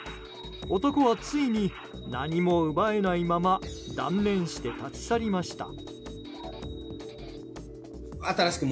男はついに何も奪えないまま断念して立ち去りました。